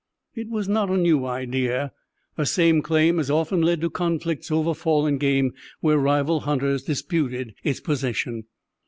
It was not a new idea. The same claim has often led to conflicts over fallen game, where rival hunters disputed its possession.